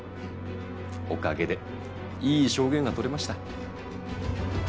おかげでいい証言が取れました。